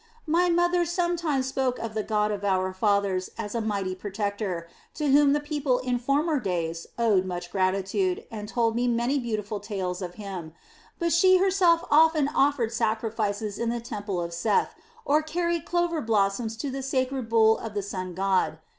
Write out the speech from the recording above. "My mother sometimes spoke of the God of our fathers as a mighty protector, to whom the people in former days owed much gratitude, and told me many beautiful tales of Him; but she herself often offered sacrifices in the temple of Seth, or carried clover blossoms to the sacred bull of the sun god.